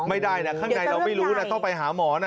ไม่ได้นะข้างในเราไม่รู้นะต้องไปหาหมอนะ